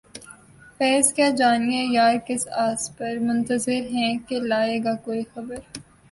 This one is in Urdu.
فیضؔ کیا جانیے یار کس آس پر منتظر ہیں کہ لائے گا کوئی خبر